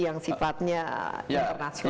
yang sifatnya internasional